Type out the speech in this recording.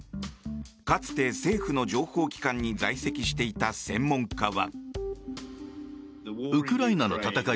かつて政府の情報機関に在籍していた専門家は。